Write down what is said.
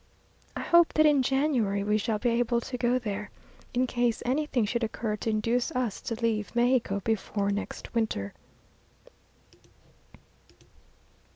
I hope that in January we shall be able to go there, in case anything should occur to induce us to leave Mexico before next winter.